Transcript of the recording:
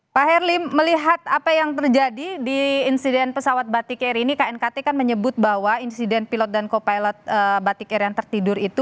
pak herli melihat apa yang terjadi di insiden pesawat batik air ini knkt kan menyebut bahwa insiden pilot dan co pilot batik air yang tertidur itu